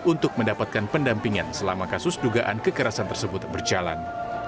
untuk mendapatkan pendampingan selama kasus dugaan kekerasan tersebut berjalan